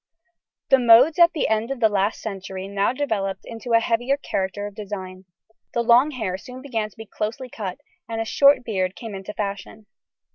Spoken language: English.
The modes at the end of the last century now developed into a heavier character of design. The long hair soon began to be closely cut, and a short beard came into fashion.